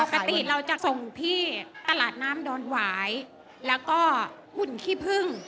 ปกติเราจะส่งที่ตลาดน้ำดอนหวายแล้วก็หุ่นขี้พึ่ง